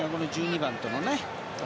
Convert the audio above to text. １２番とのね。